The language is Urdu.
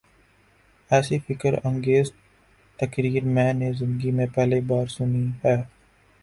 ایسی فکر انگیز تقریر میں نے زندگی میں پہلی بار سنی ہے۔